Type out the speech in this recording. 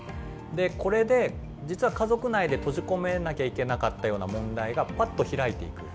これで実は家族内で閉じ込めなきゃいけなかったような問題がパッと開いていく。